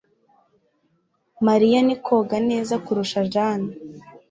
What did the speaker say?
Mariya ni koga neza kurusha Jane.